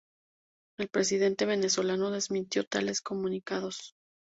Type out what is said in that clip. El presidente venezolano desmintió tales comunicados.